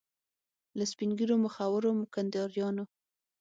له سپین ږیرو مخورو کنداریانو.